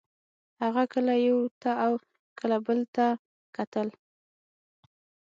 هغه کله یو ته او کله بل ته کتل